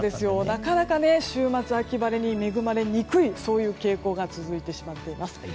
なかなか週末秋晴れに恵まれにくいそういう傾向が続いてしまっています。